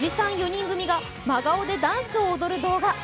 ４人組が真顔でダンスを踊る動画。